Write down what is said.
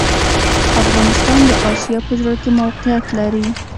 افغانستان د اسیا په زړه کي موقیعت لري